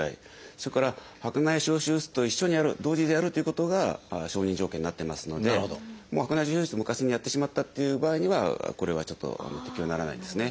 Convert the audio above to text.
それから白内障手術と一緒にやる同時でやるということが承認条件になってますので白内障手術昔にやってしまったっていう場合にはこれはちょっと適用にならないんですね。